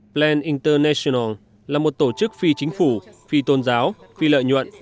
plan international là một tổ chức phi chính phủ phi tôn giáo phi lợi nhuận